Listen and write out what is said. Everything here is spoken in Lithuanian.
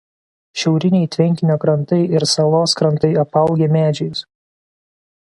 Šiauriniai tvenkinio krantai ir salos krantai apaugę medžiais.